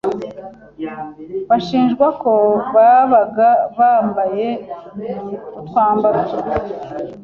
bashinjwa ko babaga bambaye utwambaro tugufi,